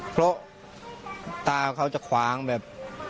เพราะตาเขาจะขวางแบบ